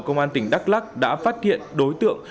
công an tỉnh đắk lắc đã phát hiện đối tượng